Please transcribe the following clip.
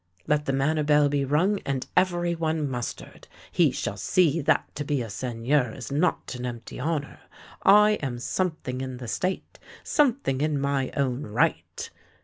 Let the manor bell be rung and every one mustered. He shall see that to be a Seigneur is not an empty honour. I am something in the state, something in my own right!